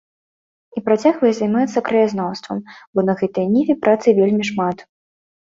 І працягвае займацца краязнаўствам, бо на гэтай ніве працы вельмі шмат.